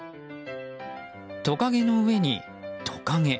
トカゲの上にトカゲ。